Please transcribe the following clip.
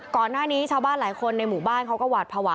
ก่อนหน้านี้ชาวบ้านหลายคนในหมู่บ้านเขาก็หวาดภาวะ